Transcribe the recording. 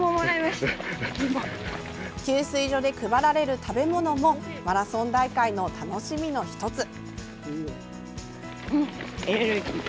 給水所で配られる食べ物もマラソン大会の楽しみの一つ。